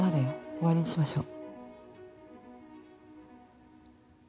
終わりにしましょう。